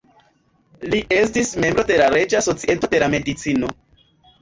Li estis membro de la "Reĝa Societo de Medicino".